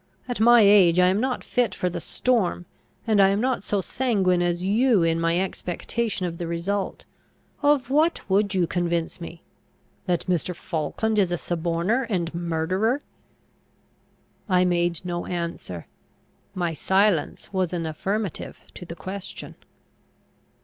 At my age I am not fit for the storm; and I am not so sanguine as you in my expectation of the result. Of what would you convince me? That Mr. Falkland is a suborner and murderer?" I made no answer. My silence was an affirmative to the question.